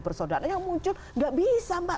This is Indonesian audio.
persaudaraan yang muncul tidak bisa mbak